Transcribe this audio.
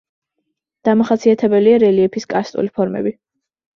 დამახასიათებელია რელიეფის კარსტული ფორმები.